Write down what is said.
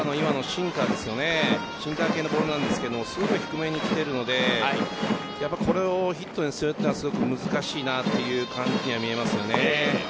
シンカー系のボールなんですが低めに来ているのでこれをヒットにするのはすごく難しいという感じには見えますね。